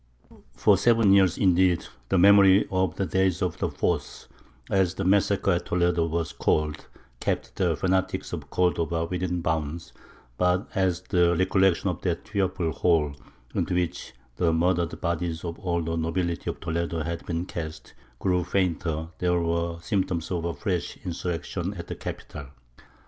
For seven years, indeed, the memory of the "Day of the Foss," as the massacre at Toledo was called, kept the fanatics of Cordova within bounds; but as the recollection of that fearful hole into which the murdered bodies of all the nobility of Toledo had been cast, grew fainter, there were symptoms of a fresh insurrection at the capital.